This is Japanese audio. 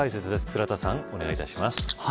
倉田さん、お願いします。